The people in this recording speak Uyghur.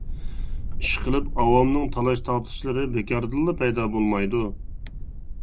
ئىش قىلىپ ئاۋامنىڭ تالاش-تارتىشلىرى بىكاردىنلا پەيدا بولمايدۇ.